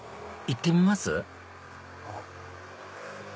行ってみます？